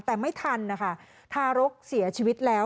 แต่ไม่ทันนะคะทารกเสียชีวิตแล้ว